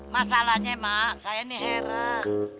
masalahnya mak saya ini heran